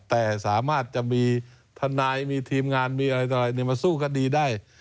แต่สามารถจะมีทนายมีทีมงานมีอะไรต่ออะไรมาสู้คดีได้